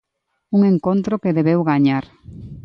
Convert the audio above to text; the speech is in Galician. Un encontro que debeu gañar.